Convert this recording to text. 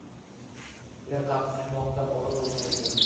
Er qamoqdan ozod boʻlib qaytdi.